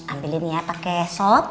ambil ini ya pakai sop